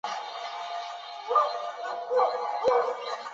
脱失现象亦可能出现于皮肤美白剂作用于肌肤上时。